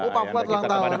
oh pak buat ulang tahun